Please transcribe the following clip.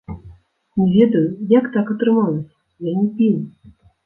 Не ведаю, як так атрымалася, я не піў.